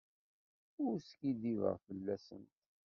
Ur skiddibeɣ fell-asent.